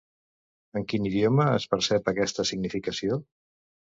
En quin idioma es percep aquesta significació?